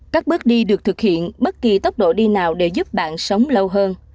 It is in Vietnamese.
các bước đi được thực hiện bất kỳ tốc độ đi nào để giúp bạn sống lâu hơn